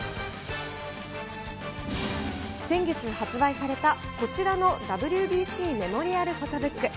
先月発売されたこちらのＷＢＣメモリアルフォトブック。